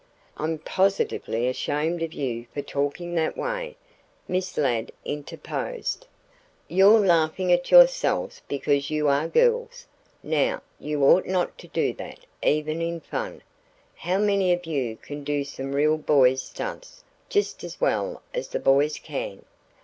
"I'm positively ashamed of you for talking that way," Miss Ladd interposed. "You're laughing at yourselves because you are girls. Now, you ought not to do that, even in fun. How many of you can do some real boys' stunts just as well as the boys can?"